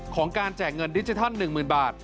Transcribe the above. ของการแจกเงินดิจิทัล๑๐๐๐บาท